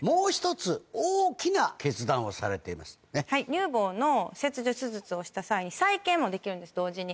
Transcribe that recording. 乳房の切除手術をした際に再建もできるんです同時に。